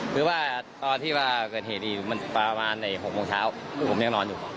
คือว่าตอนที่ว่าเกิดเหตุนี้มันประมาณ๖โมงเช้าผมยังนอนอยู่